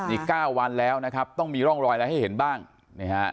อีก๙วันแล้วนะครับต้องมีร่องรอยอะไรให้เห็นบ้างนี่ฮะ